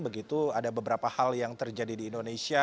begitu ada beberapa hal yang terjadi di indonesia